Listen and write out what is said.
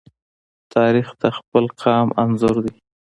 تاریخ د خپل قام انځور دی.